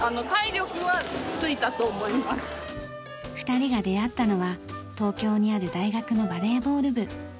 ２人が出会ったのは東京にある大学のバレーボール部。